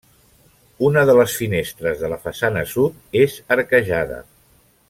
Una de les finestres de la façana sud és arquejada.